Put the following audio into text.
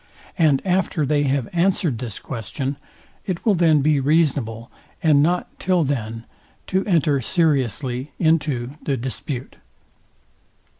And after they have answered this question, it will then be reasonable, and not till then, to enter seriously into the dispute.